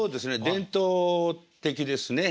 伝統的ですね。